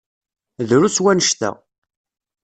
Drus wanect-a.